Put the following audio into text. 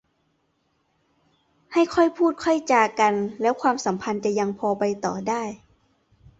ให้ค่อยพูดค่อยจากันแล้วความสัมพันธ์จะยังพอไปต่อได้